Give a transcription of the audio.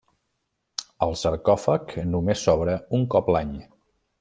El sarcòfag només s'obre un cop l'any.